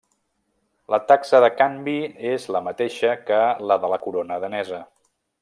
La taxa de canvi és la mateixa que la de la corona danesa.